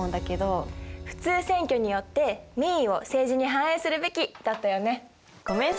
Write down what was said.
「普通選挙によって民意を政治に反映するべき」だったよね。ご明察！